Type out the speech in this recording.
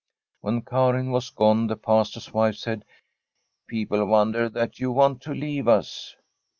When Karin was gone the Pastor's wife said :* People wonder that you want to leave us.'